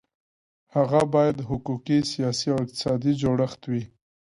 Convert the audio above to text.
هغه باید حقوقي، سیاسي او اقتصادي جوړښت وي.